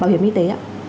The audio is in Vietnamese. bảo hiểm y tế